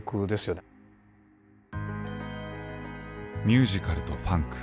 ミュージカルとファンク。